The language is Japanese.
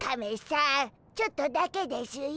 ちょっとだけでしゅよ。